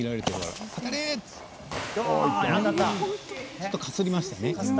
ちょっとかすりましたね。